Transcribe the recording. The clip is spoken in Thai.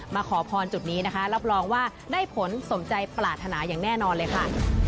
ขอพรจุดนี้นะคะรับรองว่าได้ผลสมใจปรารถนาอย่างแน่นอนเลยค่ะ